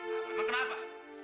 nah kamu kenapa